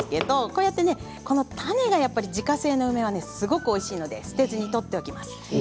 このように種が自家製の梅はすごくおいしいので捨てずに取っておきます。